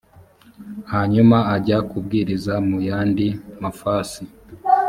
hanyuma ajya kubwiriza mu yandi mafasi